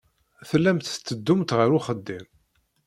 Tellamt tetteddumt ɣer uxeddim.